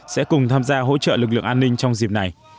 sẽ cùng tham gia hỗ trợ lực lượng an ninh trong dịp này